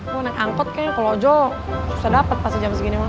gue naik angkot kayaknya kalo ojol susah dapet pas sejam segini banget